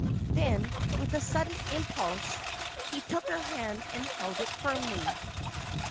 Then, with a sudden impulse, he took her hand, and held it firmly.